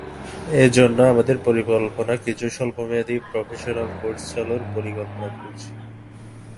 এ জন্য আমাদের পরিকল্পনা কিছু স্বল্পমেয়াদি প্রফেশনাল কোর্স চালুর পরিকল্পনা করছি।